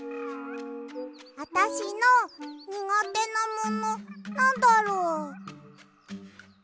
あたしのにがてなものなんだろう？